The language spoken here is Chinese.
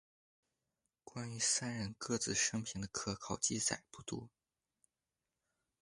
关于三人各自生平的可考记载不多。